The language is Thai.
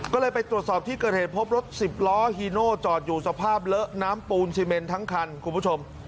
ก็เลยไปตรวจสอบที่เกิดเหตุพบรถสิบล้อฮีโน่จอดอยู่สภาพเลอะน้ำปูนซีเมนทั้งคันคุณผู้ชม